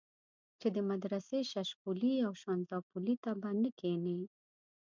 چې د مدرسې ششپولي او شانزدا پلي ته به نه کېنې.